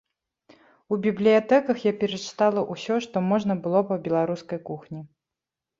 У бібліятэках я перачытала ўсё, што можна было па беларускай кухні.